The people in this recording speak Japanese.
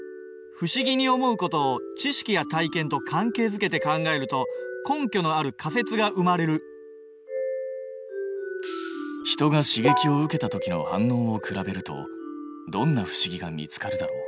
不思議に思うことを知識や体験と関係づけて考えると根拠のある仮説が生まれる人が刺激を受けたときの反応を比べるとどんな不思議が見つかるだろう。